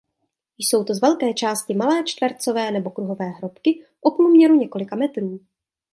Jsou to z velké části malé čtvercové nebo kruhové hrobky o průměru několika metrů.